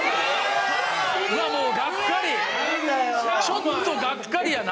ちょっとがっかりやな。